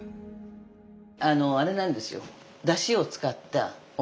あのあれなんですよ。